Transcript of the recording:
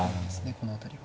この辺りは。